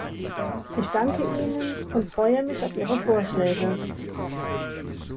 Ich danke Ihnen und freue mich auf Ihre Vorschläge.